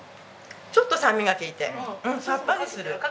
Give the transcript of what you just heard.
ちょっと酸味が利いてうんさっぱりする。